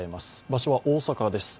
場所は大阪です。